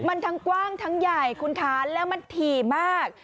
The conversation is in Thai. มันทั้งกว้างทั้งใหญ่คุณคะแล้วมันถี่มาก